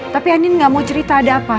tapi anin gak mau cerita ada apa